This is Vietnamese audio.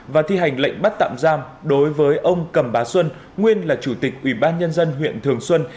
và thi hành lệnh bắt tạm giam đối với ông cầm bá xuân nguyên là chủ tịch ủy ban nhân dân huyện thường xuân